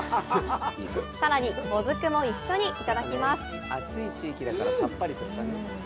さらに、もずくも一緒にいただきます！